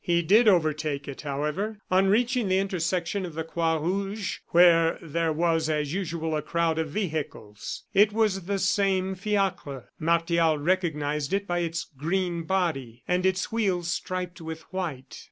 He did overtake it, however, on reaching the intersection of the Croix Rouge, where there was, as usual, a crowd of vehicles. It was the same fiacre; Martial recognized it by its green body, and its wheels striped with white.